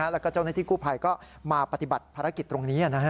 แล้วก็เจ้าหน้าที่กู้ภัยก็มาปฏิบัติภารกิจตรงนี้